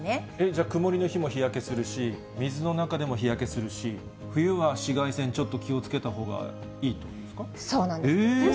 じゃあ、曇りの日も日焼けするし、水の中でも日焼けするし、冬は紫外線、ちょっと気をつけたほうがいいということですか。